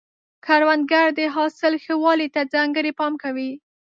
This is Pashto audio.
کروندګر د حاصل ښه والي ته ځانګړی پام کوي